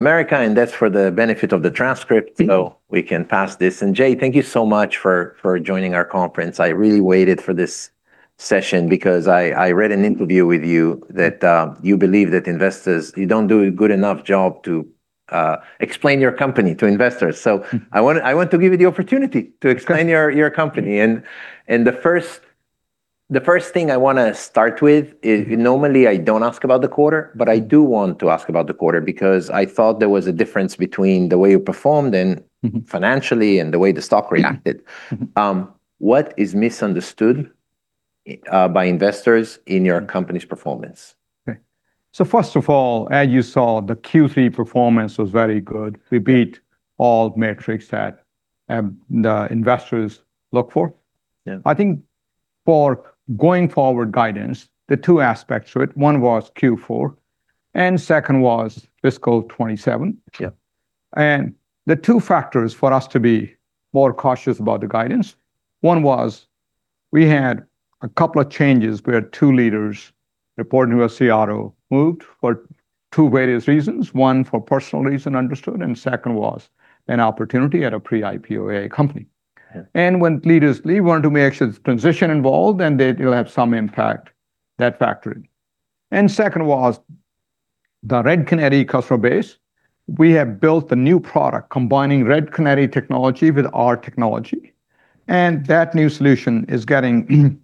America. That's for the benefit of the transcript, so we can pass this. Jay, thank you so much for joining our conference. I really waited for this session because I read an interview with you that you believe that investors, you don't do a good enough job to explain your company to investors. I want to give you the opportunity to explain your company. The first thing I want to start with is, normally I don't ask about the quarter, but I do want to ask about the quarter because I thought there was a difference between the way you performed financially and the way the stock reacted. What is misunderstood by investors in your company's performance? Okay. First of all, as you saw, the Q3 performance was very good. We beat all metrics that the investors look for. Yeah. I think for going forward guidance, the two aspects to it. One was Q4, and second was fiscal 2027. Yeah. The two factors for us to be more cautious about the guidance, one was we had a couple of changes. We had two leaders, important to us. CRO moved for two various reasons. One for personal reason, understood, and second was an opportunity at a pre-IPO AI company. Okay. When leaders leave, we want to make sure that transition involved, and it'll have some impact. That factored in. Second was the Red Canary customer base. We have built a new product combining Red Canary technology with our technology, and that new solution is getting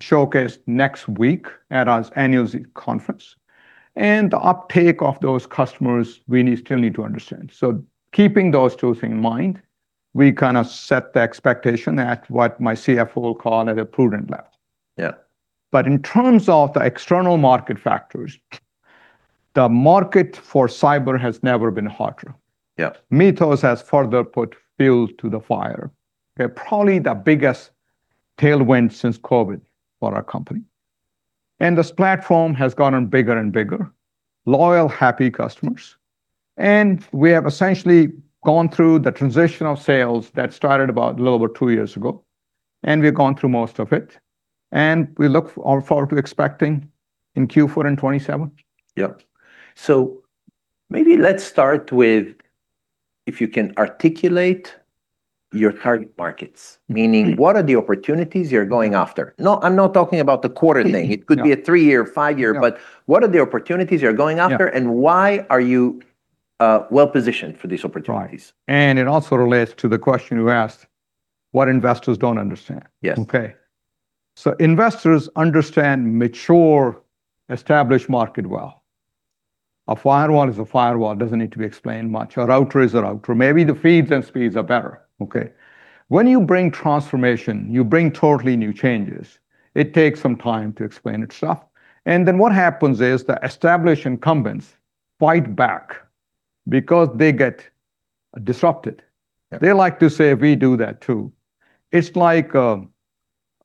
showcased next week at our annual Zenith conference. The uptake of those customers, we still need to understand. Keeping those two things in mind, we set the expectation at what my CFO will call at a prudent level. Yeah. In terms of the external market factors, the market for cyber has never been hotter. Yeah. MITRE has further put fuel to the fire. They're probably the biggest tailwind since COVID for our company. This platform has gotten bigger and bigger. Loyal, happy customers. We have essentially gone through the transitional sales that started about a little over two years ago, and we've gone through most of it, and we look forward to expecting in Q4 and 2027. Yep. Maybe let's start with if you can articulate your target markets. Meaning, what are the opportunities you're going after? No, I'm not talking about the quarter thing. Yeah. It could be a three-year, five-year. Yeah. What are the opportunities you're going after? Yeah Why are you well-positioned for these opportunities? Right. It also relates to the question you asked, what investors don't understand. Yes. Investors understand mature, established market well. A firewall is a firewall. It doesn't need to be explained much. A router is a router. Maybe the feeds and speeds are better. When you bring transformation, you bring totally new changes. It takes some time to explain itself. What happens is the established incumbents fight back because they get disrupted. Yeah. They like to say, "We do that, too." It's like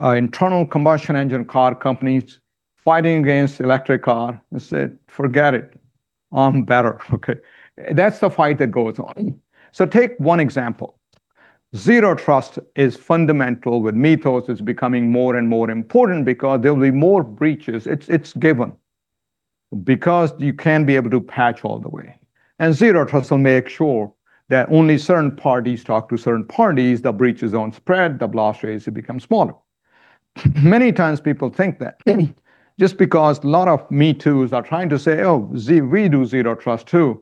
internal combustion engine car companies fighting against electric car, and said, "Forget it. I'm better." Okay. That's the fight that goes on. Take one example. Zero Trust is fundamental. With MITRE, it's becoming more and more important because there'll be more breaches. It's given. You can't be able to patch all the way. Zero Trust will make sure that only certain parties talk to certain parties. The breaches don't spread. The blast radius will become smaller. Many times people think that just because a lot of me too's are trying to say, "Oh, we do Zero Trust, too."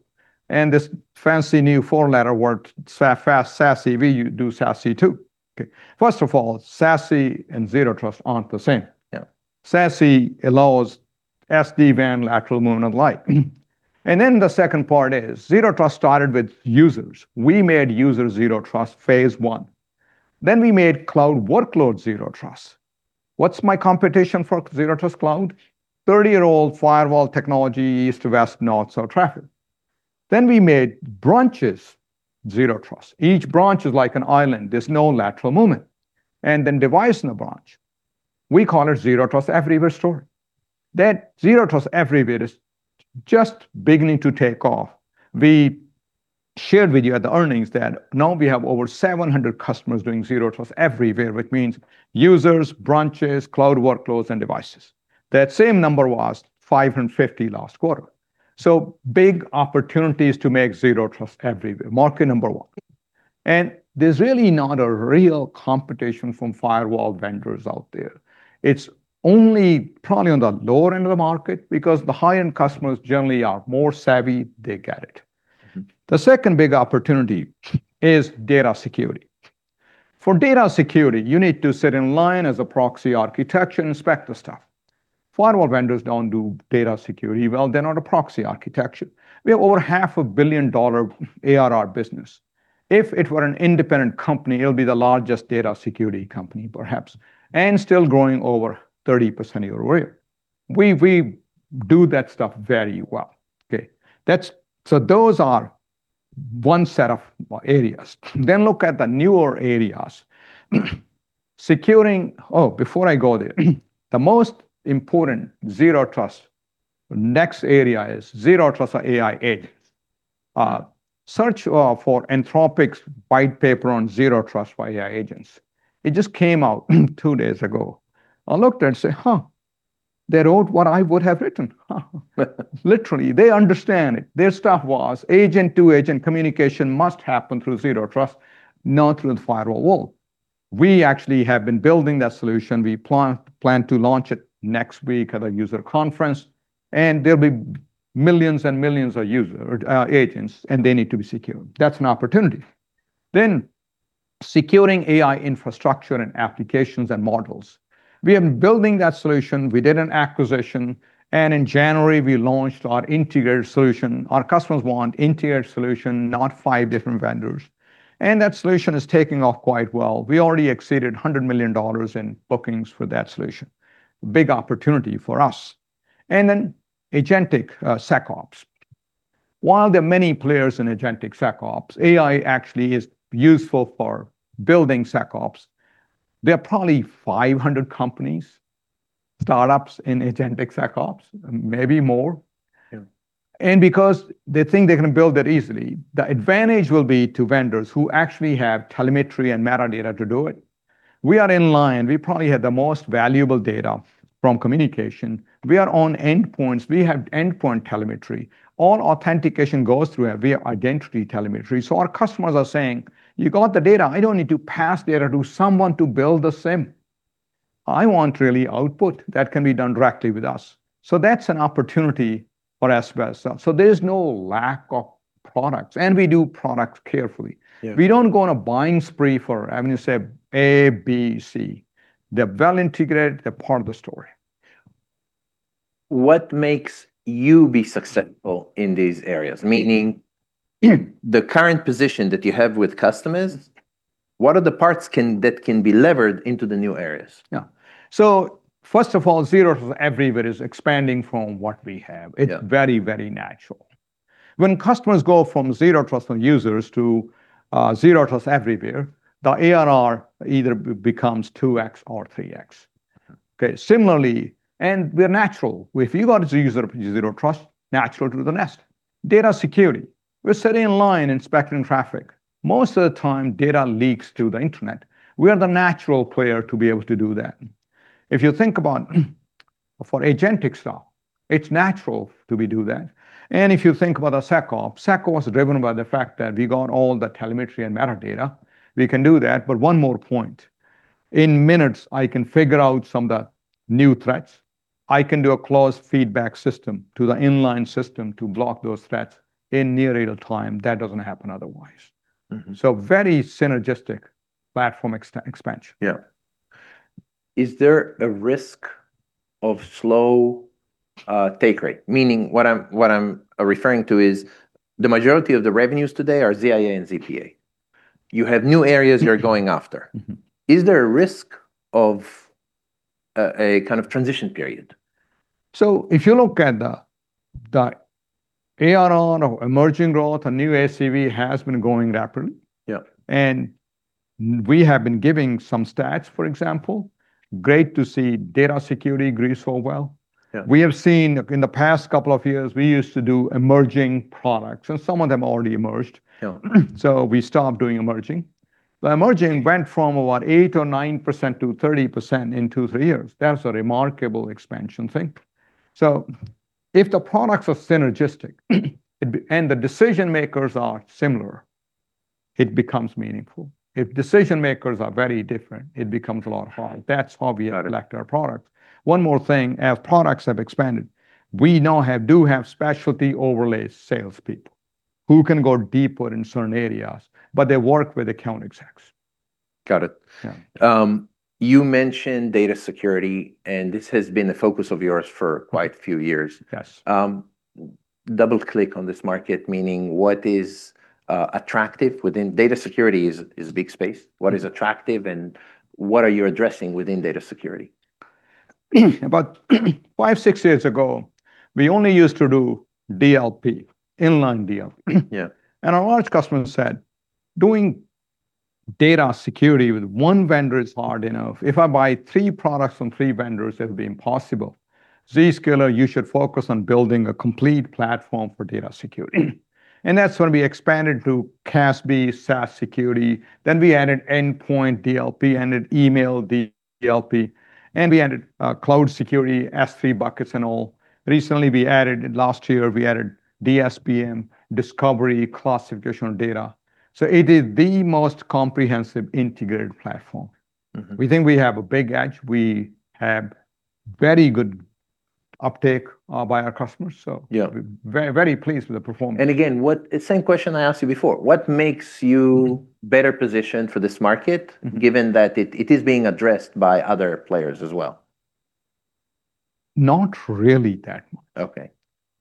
This fancy new four-letter word, SASE. We do SASE, too. Okay. First of all, SASE and Zero Trust aren't the same. Yeah. SASE allows SD-WAN lateral movement of light. The second part is Zero Trust started with users. We made user Zero Trust phase one. We made cloud workload Zero Trust. What's my competition for Zero Trust cloud? 30-year-old firewall technology, east to west north, south traffic. We made branches Zero Trust. Each branch is like an island. There's no lateral movement. Device in a branch. We call it zero trust everywhere story. Zero trust everywhere is just beginning to take off. We shared with you at the earnings that now we have over 700 customers doing zero trust everywhere, which means users, branches, cloud workloads, and devices. That same number was 550 last quarter. Big opportunities to make zero trust everywhere. Market number one. There's really not a real competition from firewall vendors out there. It's only probably on the lower end of the market because the high-end customers generally are more savvy. They get it. The second big opportunity is data security. For data security, you need to sit in line as a proxy architecture, inspect the stuff. Firewall vendors don't do data security well. They're not a proxy architecture. We have over half a billion-dollar ARR business. If it were an independent company, it'll be the largest data security company perhaps, and still growing over 30% year-over-year. We do that stuff very well. Okay. Those are one set of areas. Look at the newer areas. Oh, before I go there. The most important Zero Trust, next area is Zero Trust AI agents. Search for Anthropic's white paper on Zero Trust AI agents. It just came out two days ago. I looked and said, "Huh." They wrote what I would have written. Literally. They understand it. Their stuff was agent to agent communication must happen through Zero Trust, not through the firewall. We actually have been building that solution. We plan to launch it next week at a user conference, and there'll be millions and millions of agents, and they need to be secured. That's an opportunity. Securing AI infrastructure and applications and models. We have been building that solution. We did an acquisition, and in January we launched our integrated solution. Our customers want integrated solution, not five different vendors. That solution is taking off quite well. We already exceeded $100 million in bookings for that solution. Big opportunity for us. Agentic SecOps. While there are many players in agentic SecOps, AI actually is useful for building SecOps. There are probably 500 companies, startups in agentic SecOps, maybe more. Yeah. Because they think they can build it easily, the advantage will be to vendors who actually have telemetry and metadata to do it. We are in line. We probably have the most valuable data from communication. We are on endpoints. We have endpoint telemetry. All authentication goes through our via identity telemetry. Our customers are saying, "You got the data. I don't need to pass data to someone to build the same. I want really output that can be done directly with us." That's an opportunity for us by itself. There's no lack of products, and we do product carefully. Yeah. We don't go on a buying spree for, I mean, say A, B, C. They're well integrated. They're part of the story. What makes you be successful in these areas? Meaning, the current position that you have with customers, what are the parts that can be levered into the new areas? Yeah. First of all, Zero Trust Everywhere is expanding from what we have. Yeah. It's very, very natural. When customers go from Zero Trust on users to zero trust everywhere, the ARR either becomes 2x or 3x. Yeah. Okay, similarly, we're natural. If you got Zero Trust, natural to the nest. Data security. We're sitting in line inspecting traffic. Most of the time, data leaks to the internet. We are the natural player to be able to do that. If you think about for agentic style, it's natural that we do that. If you think about the SecOps is driven by the fact that we got all the telemetry and metadata. We can do that, one more point. In minutes, I can figure out some of the new threats. I can do a closed feedback system to the inline system to block those threats in near real time. That doesn't happen otherwise. Very synergistic platform expansion. Yeah. Is there a risk of slow take rate? Meaning, what I'm referring to is the majority of the revenues today are ZIA and ZPA. You have new areas you're going after. Is there a risk of a kind of transition period? If you look at the ARR or emerging growth or new ACV has been growing rapidly. Yeah. We have been giving some stats, for example. Great to see data security grew so well. Yeah. We have seen in the past couple of years, we used to do emerging products, and some of them already emerged. Yeah. We stopped doing emerging. The emerging went from what? 8% or 9% to 30% in two, three years. That's a remarkable expansion thing. If the products are synergistic and the decision makers are similar, it becomes meaningful. If decision makers are very different, it becomes a lot hard. That's how we elect our products. One more thing. As products have expanded, we now do have specialty overlay salespeople who can go deeper in certain areas, but they work with account execs. Got it. Yeah. You mentioned data security, and this has been a focus of yours for quite a few years. Yes. Double-click on this market, meaning what is attractive. Data security is a big space. What is attractive, and what are you addressing within data security? About five, six years ago, we only used to do DLP, inline DLP. Yeah. Our large customers said, "Doing data security with one vendor is hard enough. If I buy three products from three vendors, it'll be impossible. Zscaler, you should focus on building a complete platform for data security." That's when we expanded to CASB, SaaS security, then we added Endpoint DLP, added Email DLP, and we added cloud security, S3 buckets, and all. Recently, last year, we added DSPM, discovery classification data. It is the most comprehensive integrated platform. We think we have a big edge. We have very good uptake by our customers. Yeah Very pleased with the performance. Again, same question I asked you before. What makes you better positioned for this market, given that it is being addressed by other players as well? Not really that much. Okay.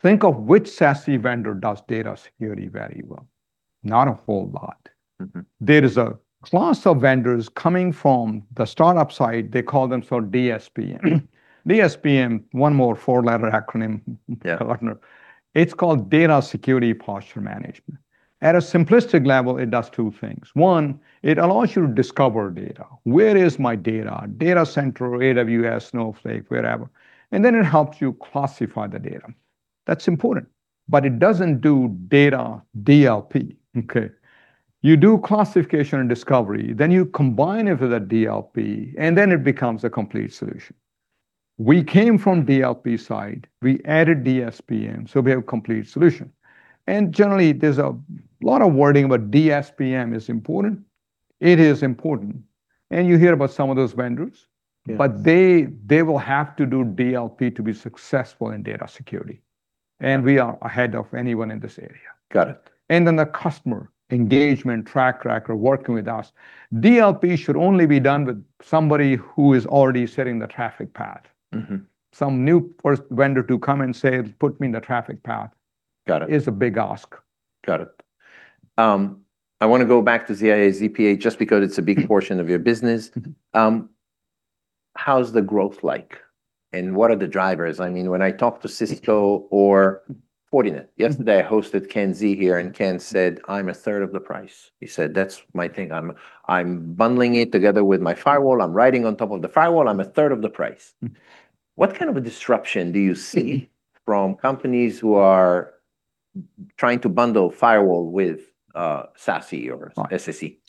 Think of which SASE vendor does data security very well. Not a whole lot. There is a class of vendors coming from the startup side. They call them for DSPM. DSPM, one more four-letter acronym [partner]. It's called Data Security Posture Management. At a simplistic level, it does two things. One, it allows you to discover data. Where is my data? Data center, AWS, Snowflake, wherever. Then it helps you classify the data. That's important. It doesn't do data DLP. Okay. You do classification and discovery, then you combine it with a DLP, and then it becomes a complete solution. We came from DLP side, we added DSPM, so we have complete solution. Generally, there's a lot of wording about DSPM is important. It is important, and you hear about some of those vendors. Yes. They will have to do DLP to be successful in data security, and we are ahead of anyone in this area. Got it. The customer engagement track record working with us. DLP should only be done with somebody who is already setting the traffic path. Some new first vendor to come and say, "Put me in the traffic path. Got it. Is a big ask. Got it. I want to go back to ZIA/ZPA just because it's a big portion of your business. How's the growth like, and what are the drivers? When I talk to Cisco or Fortinet, yesterday, I hosted Ken Xie here, and Ken said, "I'm a third of the price." He said, "That's my thing. I'm bundling it together with my firewall. I'm riding on top of the firewall. I'm a third of the price. What kind of a disruption do you see from companies who are trying to bundle firewall with SASE or SSE?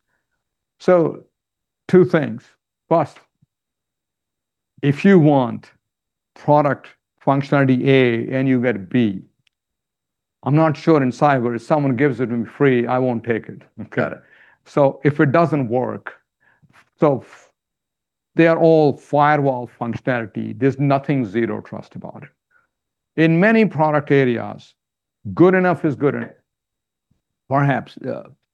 Two things. First, if you want product functionality A and you get B, I'm not sure in cyber if someone gives it to me free, I won't take it. Got it. If it doesn't work, so they are all firewall functionality. There's nothing Zero Trust about it. In many product areas, good enough is good enough. Perhaps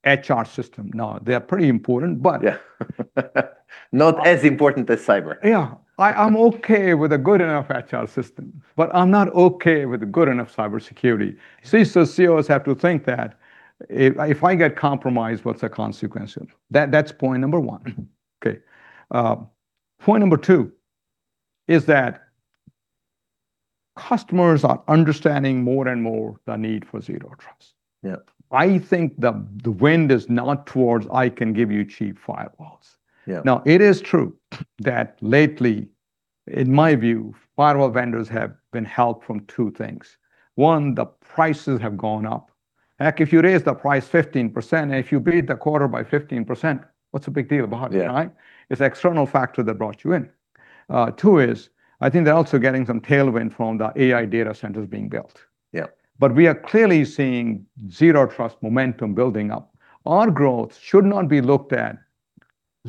HR system, no. They are pretty important. Yeah. Not as important as cyber. Yeah. I'm okay with a good enough HR system, but I'm not okay with a good enough cybersecurity. CSOs, CEOs have to think that, "If I get compromised, what's the consequence of it?" That's point number one. Okay. Point number two is that customers are understanding more and more the need for Zero Trust. Yeah. I think the wind is not towards I can give you cheap firewalls. Yeah. Now, it is true that lately, in my view, firewall vendors have been helped from two things. One, the prices have gone up. Like if you raise the price 15%, if you beat the quarter by 15%, what's the big deal about it? Yeah. It's external factor that brought you in. Two is, I think they're also getting some tailwind from the AI data centers being built. Yeah. We are clearly seeing Zero Trust momentum building up. Our growth should not be looked at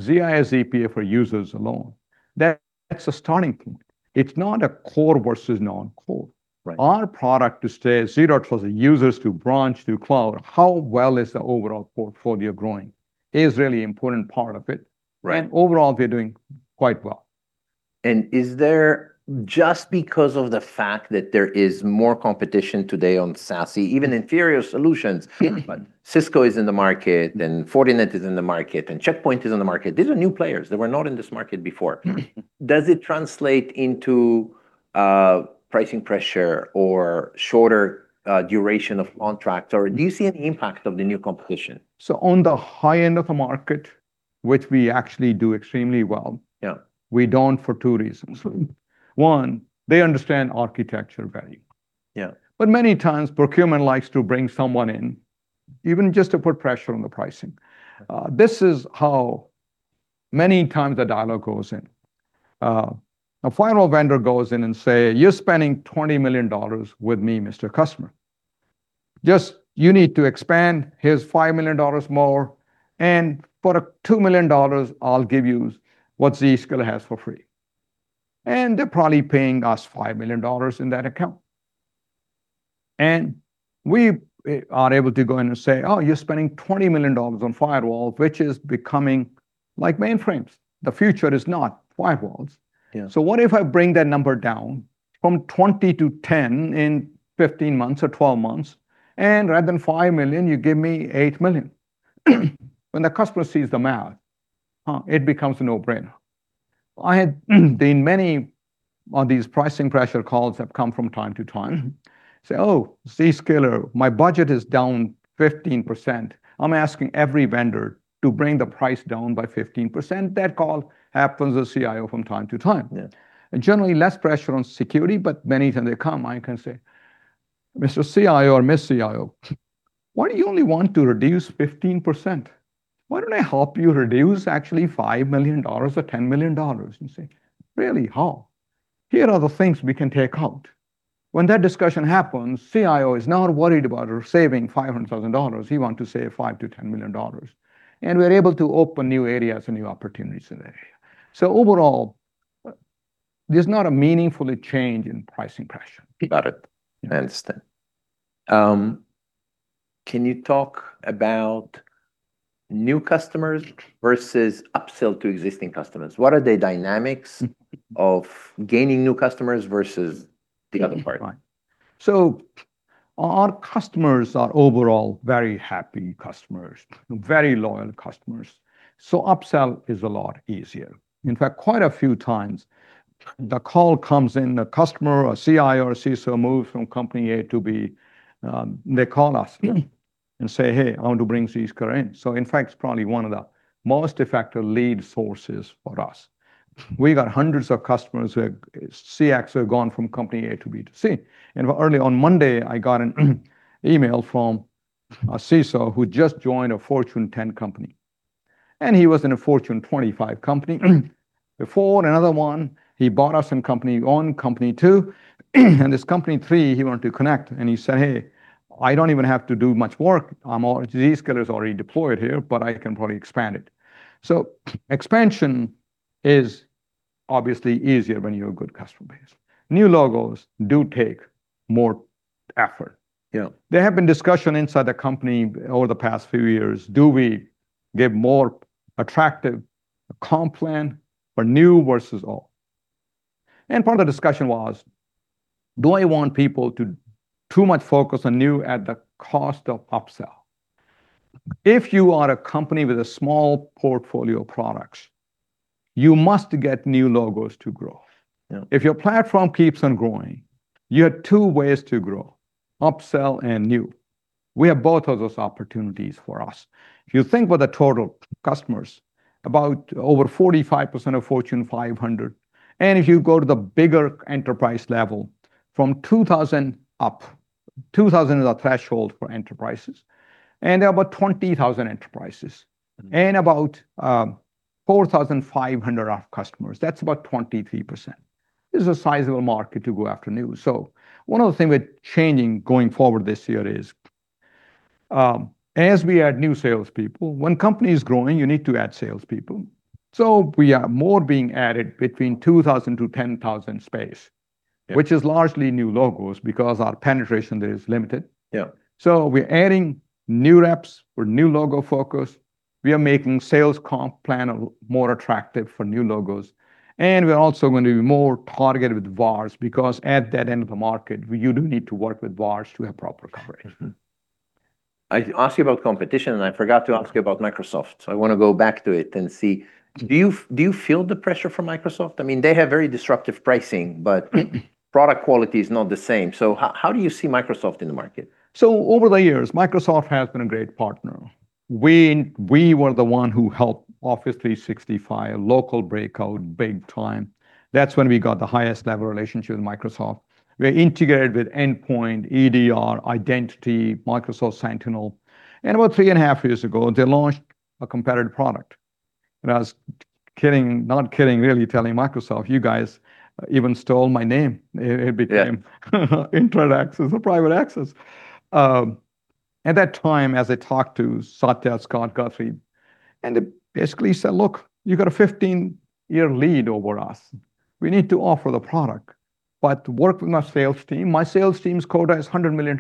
ZIA/ZPA for users alone. That's a starting point. It's not a core versus non-core. Right. Our product to stay Zero Trust users to branch to cloud. How well is the overall portfolio growing is really important part of it. Right. Overall, we're doing quite well. Is there just because of the fact that there is more competition today on SASE, even inferior solutions? Yeah. Cisco is in the market, and Fortinet is in the market, and Check Point is in the market. These are new players. They were not in this market before. Does it translate into pricing pressure or shorter duration of contracts, or do you see any impact of the new competition? On the high end of the market, which we actually do extremely well. Yeah We don't for two reasons. One, they understand architecture value. Yeah. Many times procurement likes to bring someone in, even just to put pressure on the pricing. This is how many times the dialogue goes in. A firewall vendor goes in and say, "You're spending $20 million with me, Mr. Customer. Just you need to expand, here's $5 million more, and for a $2 million, I'll give you what Zscaler has for free." They're probably paying us $5 million in that account. We are able to go in and say, "Oh, you're spending $20 million on firewall, which is becoming like mainframes. The future is not firewalls. Yeah. What if I bring that number down from 20 to 10 in 15 months or 12 months, and rather than $5 million, you give me $8 million? When the customer sees the math, it becomes a no-brainer. I had been many on these pricing pressure calls have come from time to time, say, "Oh, Zscaler, my budget is down 15%. I'm asking every vendor to bring the price down by 15%." That call happens with CIO from time to time. Yeah. Generally less pressure on security, but many times they come, I can say, "Mr. CIO or Miss CIO, why do you only want to reduce 15%? Why don't I help you reduce actually $5 million or $10 million?" Say, "Really? How?" "Here are the things we can take out." When that discussion happens, CIO is not worried about her saving $500,000. He want to save $5 million-$10 million. We're able to open new areas and new opportunities in the area. Overall, there's not a meaningful change in pricing pressure. Got it. I understand. Can you talk about new customers versus upsell to existing customers? What are the dynamics of gaining new customers versus the other part? Our customers are overall very happy customers, very loyal customers. Upsell is a lot easier. In fact, quite a few times the call comes in, a customer, a CIO or CISO move from company A to B, they call us. Yeah. Say, "Hey, I want to bring Zscaler in." In fact, it's probably one of the most effective lead sources for us. We got hundreds of customers, CXOs who have gone from company A to B to C. Early on Monday, I got an email from a CISO who just joined a Fortune 10 company, and he was in a Fortune 25 company. Before another one, he bought us in company one, company two, and this company three, he wanted to connect, and he said, "Hey, I don't even have to do much work. Zscaler's already deployed here, but I can probably expand it." Expansion is obviously easier when you have a good customer base. New logos do take more effort. Yeah. There have been discussions inside the company over the past few years, do we give more attractive comp plan for new versus old? Part of the discussion was, do I want people to too much focus on new at the cost of upsell? If you are a company with a small portfolio of products, you must get new logos to grow. Yeah. If your platform keeps on growing, you have two ways to grow: upsell and new. We have both of those opportunities for us. If you think about the total customers, about over 45% of Fortune 500, and if you go to the bigger enterprise level, from 2,000 up, 2,000 is our threshold for enterprises, and about 20,000 enterprises, and about 4,500 of customers. That's about 23%. This is a sizable market to go after new. One of the things we're changing going forward this year is, as we add new salespeople, when company is growing, you need to add salespeople. We are more being added between 2,000 to 10,000 space. Yeah. Which is largely new logos because our penetration there is limited. Yeah. We're adding new reps for new logo focus. We are making sales comp plan more attractive for new logos, and we're also going to be more targeted with VARs because at that end of the market, you do need to work with VARs to have proper coverage. I asked you about competition, and I forgot to ask you about Microsoft. I want to go back to it and see, do you feel the pressure from Microsoft? They have very disruptive pricing, but product quality is not the same. How do you see Microsoft in the market? Over the years, Microsoft has been a great partner. We were the one who helped Office 365 local breakout big time. That's when we got the highest level relationship with Microsoft. We're integrated with endpoint, EDR, Identity, Microsoft Sentinel. About 3.5 years ago, they launched a competitive product, and I was not kidding, really telling Microsoft, "You guys even stole my name. Yeah Internet Access or Private Access. At that time, as I talked to Satya, Scott Guthrie, they basically said, "Look, you got a 15-year lead over us. We need to offer the product. Work with my sales team. My sales team's quota is $100 million.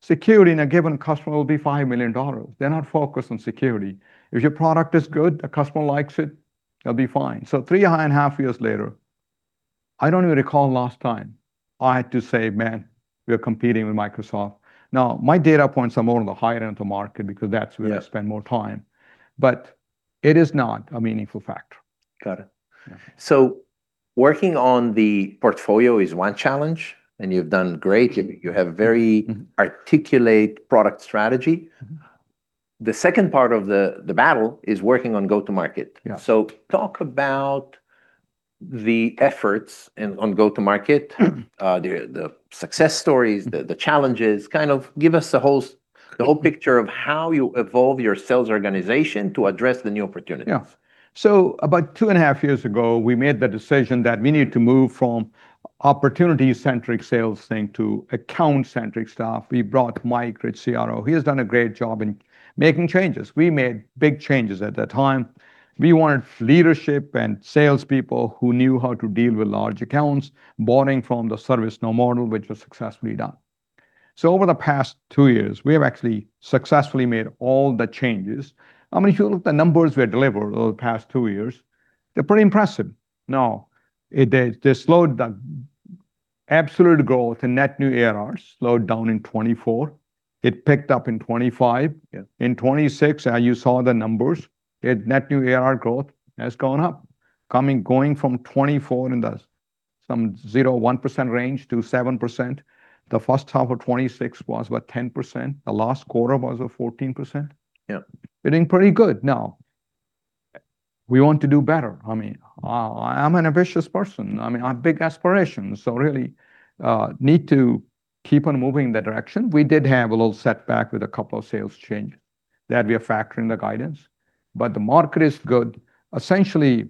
Security in a given customer will be $5 million. They're not focused on security. If your product is good, the customer likes it, they'll be fine." 3.5 years later, I don't even recall last time I had to say, "Man, we're competing with Microsoft." My data points are more on the higher end of the market because that's where. Yeah I spend more time, but it is not a meaningful factor. Got it. Working on the portfolio is one challenge, and you've done great. You have very articulate product strategy. The second part of the battle is working on go-to-market. Yeah. Talk about the efforts on go-to-market, the success stories, the challenges. Give us the whole picture of how you evolve your sales organization to address the new opportunities. Yeah. About 2.5 years ago, we made the decision that we need to move from opportunity-centric sales thing to account-centric stuff. We brought Mike, great CRO. He has done a great job in making changes. We made big changes at that time. We wanted leadership and salespeople who knew how to deal with large accounts, borrowing from the ServiceNow model, which was successfully done. Over the past two years, we have actually successfully made all the changes. If you look at the numbers we had delivered over the past two years, they're pretty impressive. Now, they slowed the absolute growth and net new ARR slowed down in 2024. It picked up in 2025. Yeah. In 2026, you saw the numbers. Net new ARR growth has gone up, going from 2024 in the some 0.1%-7%. The first half of 2026 was what? 10%. The last quarter was what? 14%. Yeah. We're doing pretty good. Now, we want to do better. I'm an ambitious person. I have big aspirations, so really need to keep on moving in that direction. We did have a little setback with a couple of sales changes that we are factoring the guidance, but the market is good. Essentially,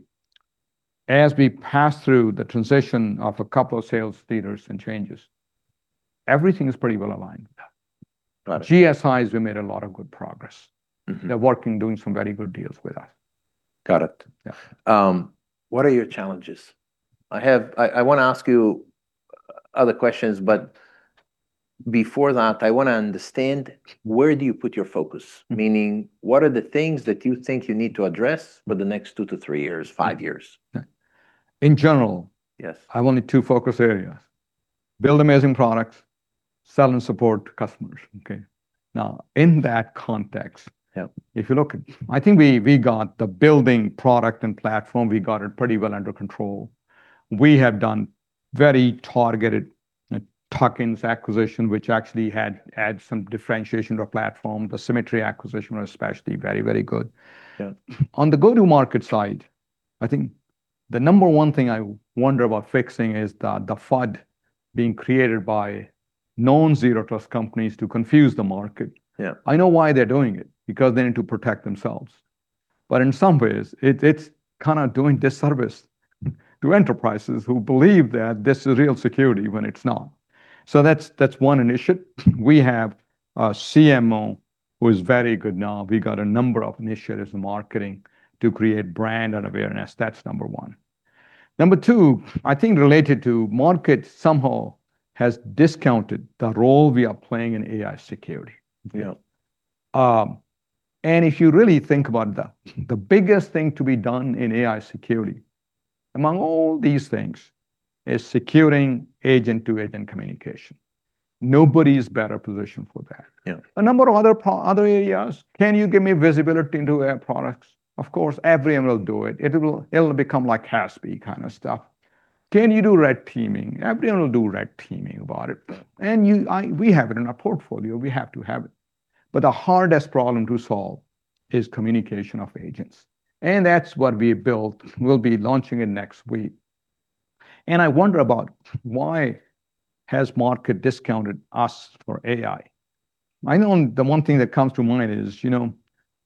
as we pass through the transition of a couple of sales leaders and changes, everything is pretty well aligned with that. Got it. GSIs, we made a lot of good progress. They're working, doing some very good deals with us. Got it. Yeah. What are your challenges? I want to ask you other questions, but before that, I want to understand where do you put your focus? Meaning, what are the things that you think you need to address for the next two to three years, five years? In general- Yes I've only two focus areas. Build amazing products, sell and support customers. Okay. Yeah If you look, I think we got the building product and platform, we got it pretty well under control. We have done very targeted tuck-in acquisition, which actually adds some differentiation to our platform. The Symmetry acquisition was especially very, very good. Yeah. On the go-to-market side, I think the number one thing I wonder about fixing is the FUD being created by non-Zero Trust companies to confuse the market. Yeah. I know why they're doing it, because they need to protect themselves. In some ways, it's kind of doing disservice to enterprises who believe that this is real security when it's not. That's one initiative. We have a CMO who's very good now. We got a number of initiatives in marketing to create brand and awareness. That's number one. Number two, I think related to market somehow has discounted the role we are playing in AI security. Yeah. If you really think about that, the biggest thing to be done in AI security, among all these things, is securing agent-to-agent communication. Nobody's better positioned for that. Yeah. A number of other areas. Can you give me visibility into our products? Of course, everyone will do it. It'll become like CASB kind of stuff. Can you do red teaming? Everyone will do red teaming about it. We have it in our portfolio. We have to have it. The hardest problem to solve is communication of agents. That's what we built. We'll be launching it next week. I wonder about why has market discounted us for AI? I know the one thing that comes to mind is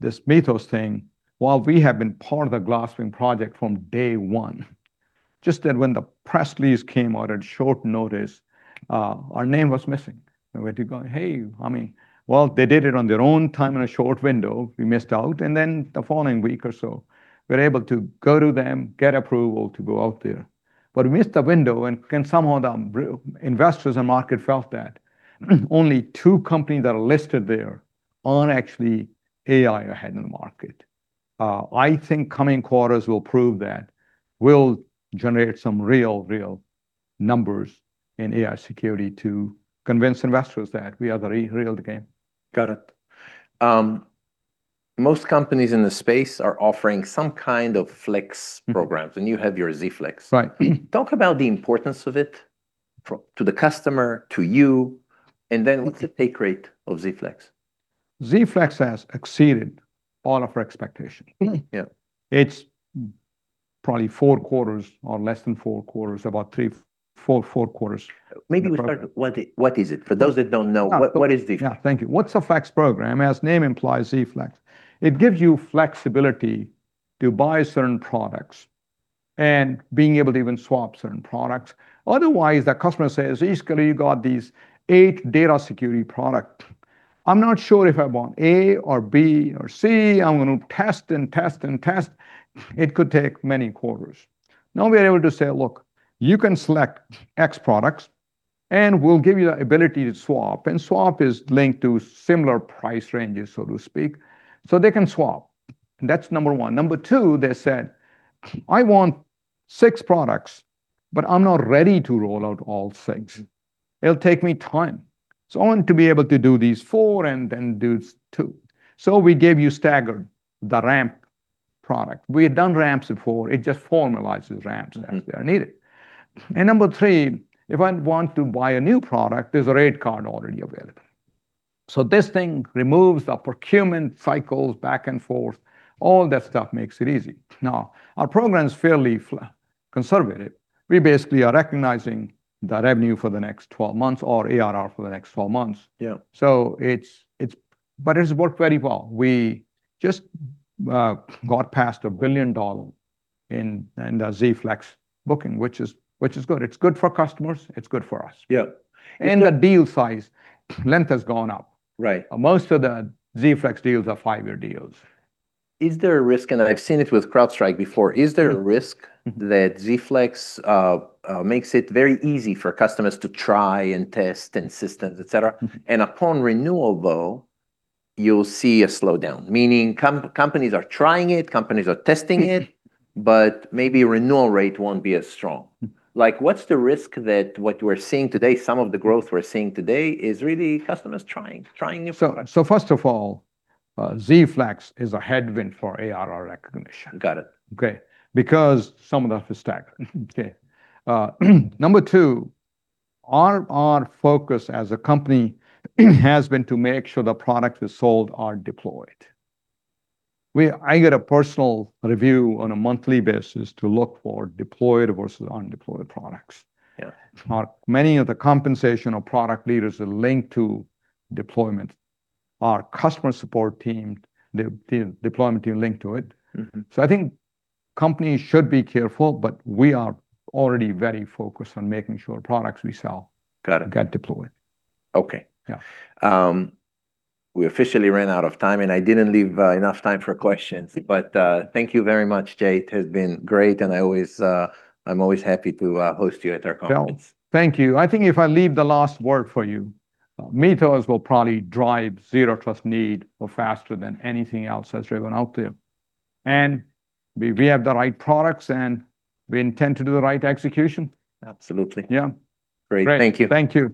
this MITRE thing, while we have been part of the Glasswing project from day one, just that when the press release came out at short notice, our name was missing, and we did go, "Hey." Well, they did it on their own time in a short window. We missed out. The following week or so, we're able to go to them, get approval to go out there. We missed the window, and somehow the investors and market felt that only two companies that are listed there aren't actually AI ahead in the market. I think coming quarters will prove that we'll generate some real numbers in AI security to convince investors that we are the real deal. Got it. Most companies in the space are offering some kind of flex programs, and you have your Z-Flex. Right. Talk about the importance of it to the customer, to you, and then what's the take rate of Z-Flex? Z-Flex has exceeded all of our expectations. Yeah. It's probably four quarters or less than four quarters, about three, four quarters. Maybe we start, what is it? For those that don't know, what is Z-Flex? Yeah. Thank you. What's a flex program? As name implies, Z-Flex. It gives you flexibility to buy certain products, and being able to even swap certain products. Otherwise, the customer says, "Zscaler, you got these eight data security product. I'm not sure if I want A or B or C. I'm going to test and test and test." It could take many quarters. Now we're able to say, "Look, you can select X products, and we'll give you the ability to swap." Swap is linked to similar price ranges, so to speak. They can swap. That's number one. Number two, they said, "I want six products, but I'm not ready to roll out all six. It'll take me time. I want to be able to do these four and then do two." We gave you staggered, the ramp product. We had done ramps before. It just formalizes ramps as they are needed. Number three, if I want to buy a new product, there's a credit card already available. This thing removes the procurement cycles back and forth. All that stuff makes it easy. Now, our program's fairly conservative. We basically are recognizing the revenue for the next 12 months or ARR for the next 12 months. Yeah. It's worked very well. We just got past $1 billion in the Z-Flex booking, which is good. It's good for customers. It's good for us. Yeah. The deal size length has gone up. Right. Most of the Z-Flex deals are five-year deals. Is there a risk, and I've seen it with CrowdStrike before, is there a risk that Z-Flex makes it very easy for customers to try and test systems, et cetera, and upon renewal, though, you'll see a slowdown? Meaning companies are trying it, companies are testing it, but maybe renewal rate won't be as strong. What's the risk that what we're seeing today, some of the growth we're seeing today, is really customers trying new products. First of all, Z-Flex is a headwind for ARR recognition. Got it. Okay. Some of that is staggered. Okay. Number two, our focus as a company has been to make sure the products we sold are deployed. I get a personal review on a monthly basis to look for deployed versus undeployed products. Yeah. Many of the compensation of product leaders are linked to deployment. Our customer support team, the deployment team linked to it. I think companies should be careful, but we are already very focused on making sure products we sell. Got it. Get deployed. Okay. Yeah. We officially ran out of time, and I didn't leave enough time for questions, but thank you very much, Jay. It has been great, and I'm always happy to host you at our conference. Thank you. I think if I leave the last word for you, MITRE will probably drive Zero Trust need faster than anything else that's driven out there. We have the right products, and we intend to do the right execution. Absolutely. Yeah. Great. Thank you.